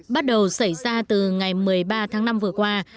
bắt đầu xảy ra từ ngày một mươi ba tháng năm vừa qua